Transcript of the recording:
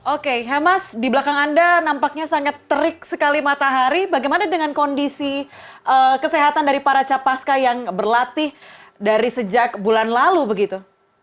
oke hemas di belakang anda nampaknya sangat terik sekali matahari bagaimana dengan kondisi kesehatan dari para capaska yang berlatih dari sejak bulan lalu begitu